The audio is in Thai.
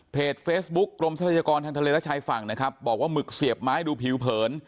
เฟซบุ๊คกรมทรัพยากรทางทะเลและชายฝั่งนะครับบอกว่าหมึกเสียบไม้ดูผิวเผิน